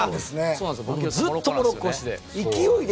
ずっとモロッコ推しで。